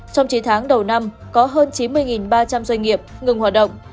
trong chín tháng đầu năm có hơn chín mươi ba trăm linh doanh nghiệp ngừng hoạt động